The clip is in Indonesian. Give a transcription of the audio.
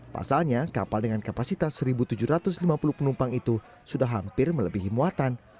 pasalnya kapal dengan kapasitas satu tujuh ratus lima puluh penumpang itu sudah hampir melebihi muatan